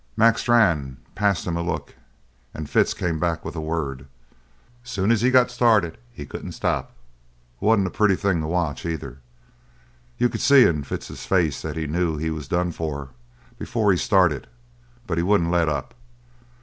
Mac Strann passed him a look and Fitz come back with a word. Soon as he got started he couldn't stop. Wasn't a pretty thing to watch, either. You could see in Fitz's face that he knew he was done for before he started, but he wouldn't, let up.